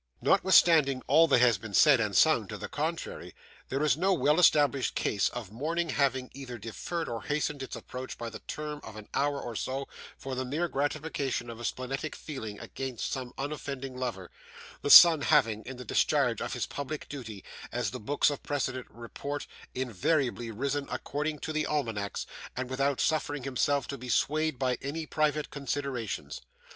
Notwithstanding all that has been said and sung to the contrary, there is no well established case of morning having either deferred or hastened its approach by the term of an hour or so for the mere gratification of a splenetic feeling against some unoffending lover: the sun having, in the discharge of his public duty, as the books of precedent report, invariably risen according to the almanacs, and without suffering himself to be swayed by any private considerations.